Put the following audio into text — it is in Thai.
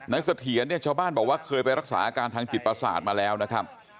เสถียรเนี่ยชาวบ้านบอกว่าเคยไปรักษาอาการทางจิตประสาทมาแล้วนะครับ